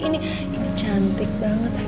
ini cantik banget